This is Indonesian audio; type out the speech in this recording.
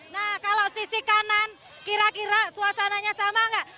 nah kalau sisi kanan kira kira suasananya sama nggak